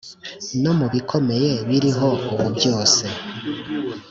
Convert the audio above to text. No mu bikomeye biriho ubu byose